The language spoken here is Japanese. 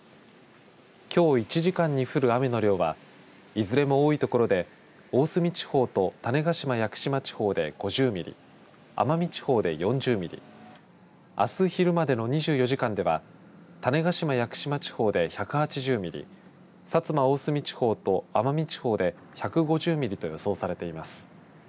きょう１時間に降る雨の量はいずれも多い所で大隅地方と種子島・屋久島地方で５０ミリ奄美地方で４０ミリあす昼までの２４時間では種子島・屋久島地方で１８０ミリ薩摩、大隅地方と奄美地方で１５０ミリと予想されています